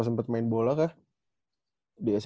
sempat main bola kah di sma